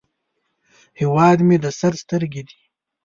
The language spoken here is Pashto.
هیواد مې د سر سترګې دي